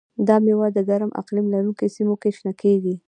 دا مېوه د ګرم اقلیم لرونکو سیمو کې شنه کېږي.